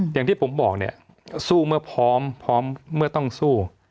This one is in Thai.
อย่างที่ผมบอกสู้เมื่อพร้อมเมื่อต้องสู้